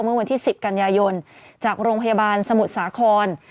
เมื่อวันที่๑๐กันยายนจากโรงพยาบาลสมุทรสาคร